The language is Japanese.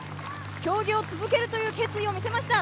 競技を続けるという決意を見せました。